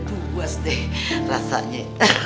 gue puas deh rasanya